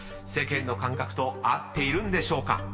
［世間の感覚と合っているんでしょうか？］